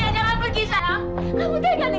satria jangan pergi sayang